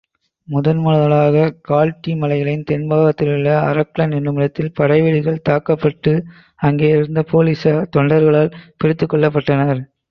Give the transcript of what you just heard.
முதல் முதலாகக் கால்ட்டீ மலைகளின் தென்பாகத்திலுள்ள அரக்லன் என்னுமிடத்தில் படைவீடுகள் தாக்கப்பட்டு அங்கேயிருந்த போலிஸார் தொண்டர்களால் பிடித்துக் கொள்ளப்பட்டனர்.